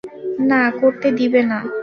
না, করতে দিবে না।